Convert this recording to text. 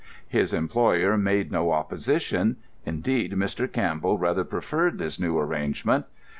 His employer made no opposition; indeed, Mr. Campbell rather preferred this new arrangement.